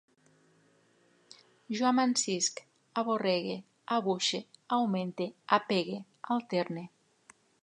Jo amansisc, aborregue, abuixe, augmente, apegue, alterne